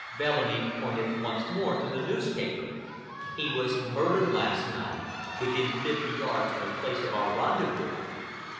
Bellamy pointed once more to the newspaper. "He was murdered last night, within fifty yards of the place of our rendezvous."